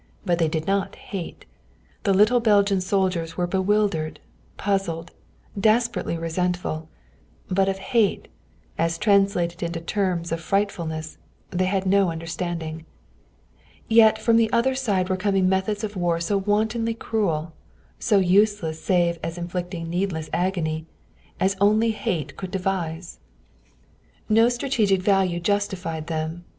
But they did not hate. The little Belgian soldiers were bewildered, puzzled, desperately resentful. But of hate, as translated into terms of frightfulness, they had no understanding. Yet from the other side were coming methods of war so wantonly cruel, so useless save as inflicting needless agony, as only hate could devise. No strategic value justified them.